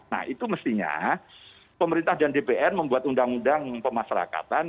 nah itu mestinya pemerintah dan dpr membuat undang undang pemasarakatan